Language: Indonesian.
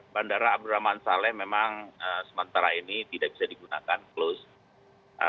bandara abdurrahman saleh memang sementara ini tidak bisa digunakan close